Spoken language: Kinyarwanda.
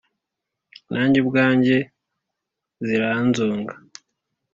nange ubwange ziranzonga